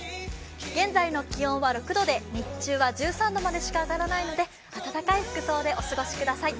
現在の気温は６度で日中は１３度までしか上がらないので、温かい服装でお過ごしください。